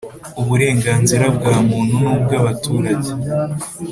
Uburenganzira bwa muntu n ubw abaturage